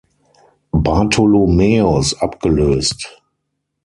Bartholomäus abgelöst.